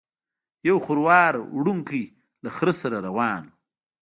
یو خروار وړونکی له خره سره روان و.